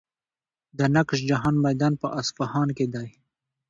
د نقش جهان میدان په اصفهان کې دی.